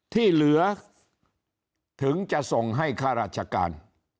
ที่เหลือถึงจะส่งให้ข้าราชการ